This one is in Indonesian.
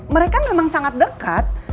mereka memang sangat deket